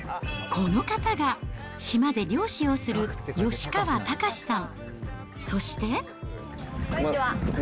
この方が、島で漁師をする吉川岳さん。